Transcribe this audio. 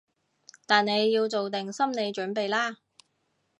但你要做定心理準備喇